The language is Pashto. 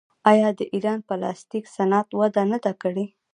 آیا د ایران پلاستیک صنعت وده نه ده کړې؟